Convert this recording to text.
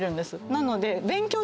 なので。